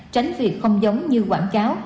tránh việc không giống như quảng cáo